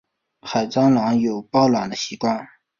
海蟑螂有抱卵的习性。